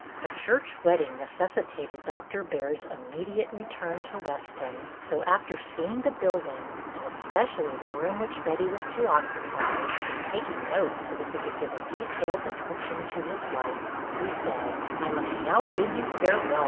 A church wedding necessitated Doctor Baird's immediate return to Weston, AT LAST THE DAY! 45 so, after seeing the building and especially the room which Betty was to occupy, and taking notes so that he could give a detailed description to his wife, he said, —" I must now bid you farewell.